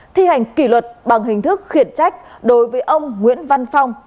thi hành kỷ luật bằng hình thức khiển trách đối với ông nguyễn văn phong